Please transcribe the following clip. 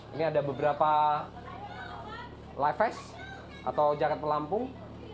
ini ada beberapa lives atau jaket pelampung